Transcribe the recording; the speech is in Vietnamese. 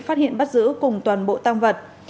phát hiện bắt giữ cùng toàn bộ tăng vật